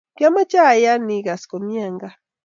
kiomeche ayain igas komie eng kaa